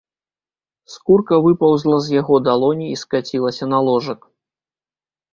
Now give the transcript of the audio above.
Скурка выпаўзла з яго далоні і скацілася на ложак.